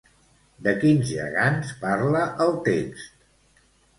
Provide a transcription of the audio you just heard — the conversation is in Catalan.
De quins gegants parla el text?